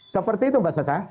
seperti itu mbak sasa